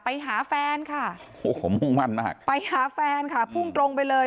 ไปหาแฟนค่ะโอ้โหมุ่งมั่นมากไปหาแฟนค่ะพุ่งตรงไปเลย